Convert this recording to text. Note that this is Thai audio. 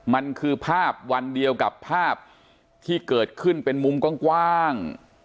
มันคือภาพวันเดียวกับภาพที่เกิดขึ้นเป็นมุมกว้าง